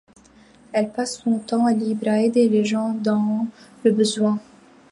Elle passe son temps libre à aider les gens dans le besoin.